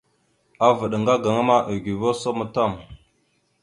Avaɗ ŋga gaŋa ma eguvoróosom tam.